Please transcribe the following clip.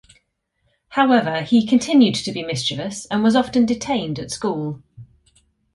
However he continued to be mischievous and was often detained at school.